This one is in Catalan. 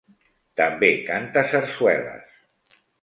També canta sarsueles.